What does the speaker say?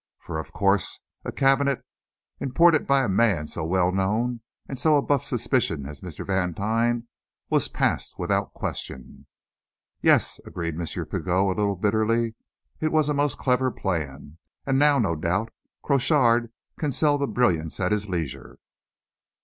For, of course, a cabinet imported by a man so well known and so above suspicion as Mr. Vantine was passed without question!" "Yes," agreed M. Pigot, a little bitterly. "It was a most clever plan; and now, no doubt, Crochard can sell the brilliants at his leisure."